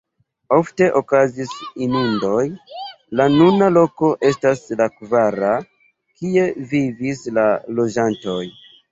Ofte okazis inundoj, la nuna loko estas la kvara, kie vivis la loĝantoj.